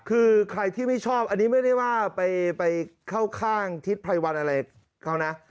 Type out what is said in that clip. คือใครที่ไม่ชอบอันนี้ไม่ได้ว่าไปเข้าข้างทิศไพรวันอะไรเขานะ